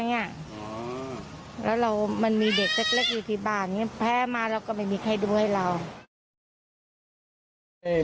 มันมีเด็กเล็กอยู่ที่บ้านแพ้มาเราก็ไม่มีใครดูให้เรา